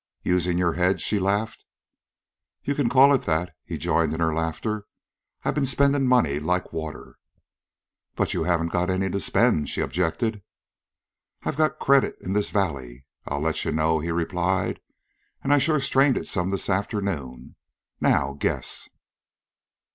"Using your head?" She laughed. "You can call it that," he joined in her laughter. "I've been spendin' money like water." "But you haven't got any to spend," she objected. "I've got credit in this valley, I'll let you know," he replied. "An' I sure strained it some this afternoon. Now guess."